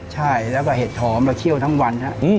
ใช่แล้วก็เห็ดหอมเราเคี่ยวทั้งวันครับ